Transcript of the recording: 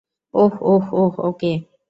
ওহ, ওহ, ওহ, ওকে।